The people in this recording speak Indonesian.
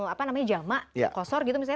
apa namanya jamak kosor gitu misalnya